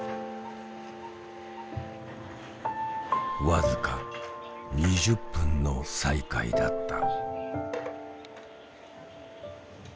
僅か２０分の再会だった。